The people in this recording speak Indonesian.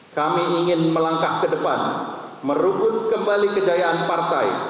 kami ingin melangkah ke depan merugut kembali kejayaan partai